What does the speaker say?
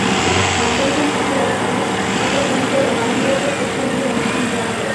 খাদ্যগুদাম পাহারায় থাকা সৈনিকেরা বাদামের একটা খোসা এনে রানির সামনে রাখল।